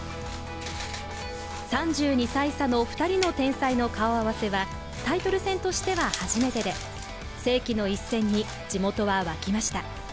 ３２歳差の２人の天才の顔合わせは、タイトル戦としては初めてで世紀の一戦に地元は沸きました。